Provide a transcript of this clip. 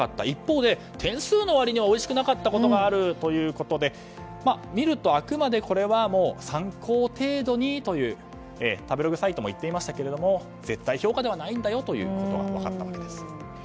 一方で、点数の割にはおいしくなかったことがあるということで見ると、あくまでこれは参考程度にという食べログサイトも言っていましたが絶対評価ではないんだよということが分かりました。